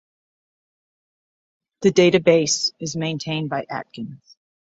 The database is maintained by Atkins.